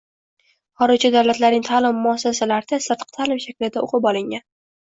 Xorijiy davlatlarning ta’lim muassasalarida sirtqi ta’lim shaklida o‘qib olingan.